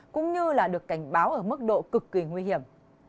cũng như là được cảnh báo ở mức độ cực kỳ nguy hiểm